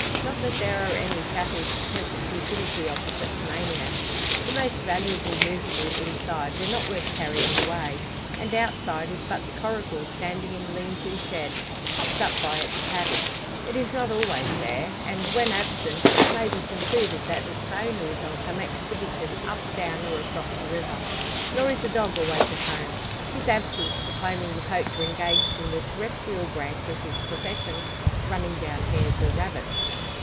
Not that there are any chattels to tempt the cupidity of the kleptomaniac. The most valuable moveable inside were not worth carrying away; and outside is but the coracle standing in a lean to shed, propped up by its paddle. It is not always there, and, when absent, it may be concluded that its owner is on some expedition up, down, or across the river. Nor is the dog always at home; his absence proclaiming the poacher engaged in the terrestrial branch of his profession running down hares or rabbits.